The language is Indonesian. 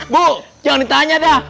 bu jangan ditanya dah